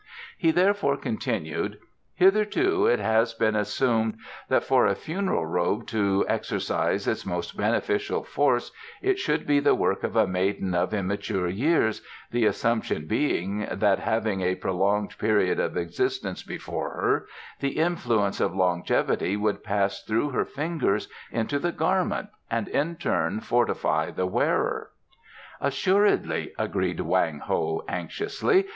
He therefore continued: "Hitherto it has been assumed that for a funeral robe to exercise its most beneficial force it should be the work of a maiden of immature years, the assumption being that, having a prolonged period of existence before her, the influence of longevity would pass through her fingers into the garment and in turn fortify the wearer." "Assuredly," agreed Wang Ho anxiously.